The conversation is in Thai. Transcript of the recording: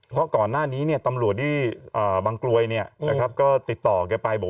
เพราะก่อนหน้านี้เนี่ยตำรวจที่บังกลวยเนี่ยก็ติดต่อไปบอก